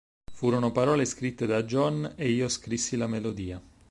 Furono parole scritte da John e io scrissi la melodia.